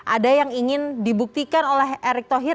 ada yang ingin dibuktikan oleh erick thohir